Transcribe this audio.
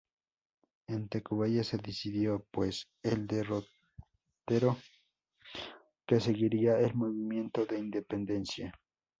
En Tacubaya se decidió, pues, el derrotero que seguiría el movimiento de Independencia.